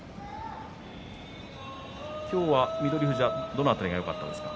今日は翠富士どの辺りがよかったですか。